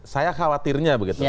saya khawatirnya begitu